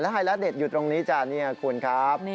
และไฮลาเดชหยุดตรงนี้จ้ะคุณครับ